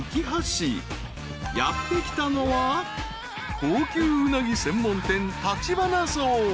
［やって来たのは高級うなぎ専門店］